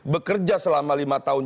bekerja selama lima tahun